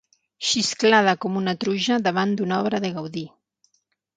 Xisclada com una truja davant d'una obra de Gaudí.